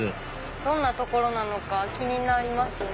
どんな所なのか気になりますね。